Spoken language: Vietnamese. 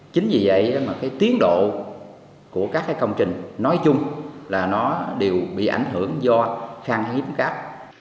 chính vì vậy mà cái tiến độ của các công trình nói chung là nó đều bị ảnh hưởng do khang hiếm cát